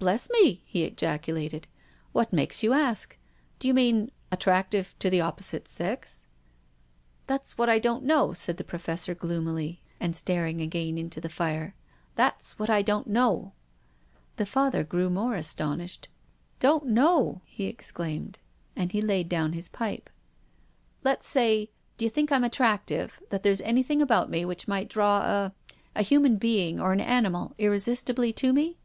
Bless me !" he ejaculated. " What makes you ask? Do you mean attractive to the oppo site sex? " PROFESSOR GUILDEA. 283 " That's what I don't know," said the Professor gloomily, and staring again into the fire. " That's what I don't know." The Father grew more astonished. " Don't know !" he exclaimed. And he laid down his pipe. "Let's say — d'you think I'm attractive, that there's anything about me which might draw a — a human being, or an animal, irresistibly to me